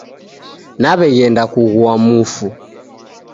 Naw'eghenda kughua mufu.